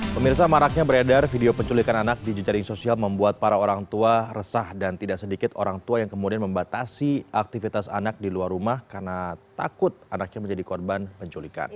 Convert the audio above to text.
pemirsa maraknya beredar video penculikan anak di jejaring sosial membuat para orang tua resah dan tidak sedikit orang tua yang kemudian membatasi aktivitas anak di luar rumah karena takut anaknya menjadi korban penculikan